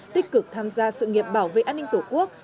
tích cực tham gia sự nghiệp bảo vệ an ninh tổ quốc